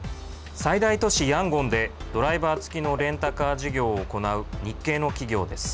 最大都市ヤンゴンでドライバー付きのレンタカー事業を行う日系の企業です。